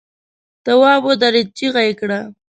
تواب ودرېد، چيغه يې کړه!